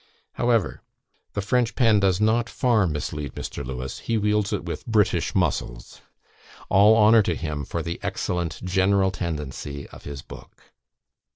However, the French pen does not far mislead Mr. Lewes; he wields it with British muscles. All honour to him for the excellent general tendency of his book!